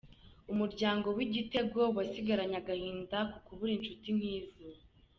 Umuryango w’Igitego wasigaranye agahinda ko kubura incuti nk’izo.